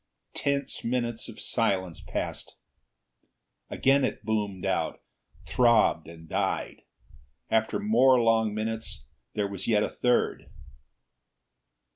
Tense minutes of silence passed. Again it boomed out, throbbed, and died. After more long minutes there was yet a third.